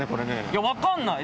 いや分かんない。